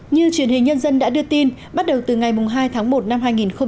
như truyền hình nhân dân đã đưa tin bắt đầu từ ngày hai tháng một năm hai nghìn hai mươi